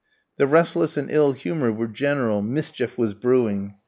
The restlessness and ill humour were general; mischief was brewing.